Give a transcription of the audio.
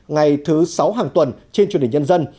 ngày thứ sáu hàng tuần trên truyền hình nhân dân